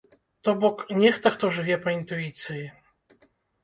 То бок, нехта, хто жыве па інтуіцыі.